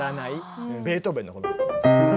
ベートーベンのこの。